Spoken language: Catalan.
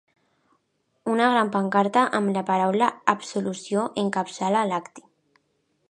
Una gran pancarta amb la paraula “Absolució” encapçala l’acte.